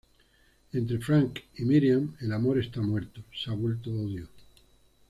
Entre Franck y Miriam, el amor está muerto; se ha vuelto odio.